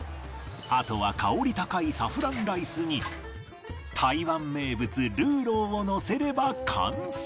あとは香り高いサフランライスに台湾名物魯肉をのせれば完成